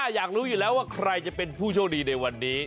อยากรู้อยู่แล้วว่าใครจะเป็นผู้โชคดีในวันนี้